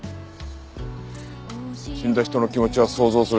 死んだ人の気持ちは想像するしかないが。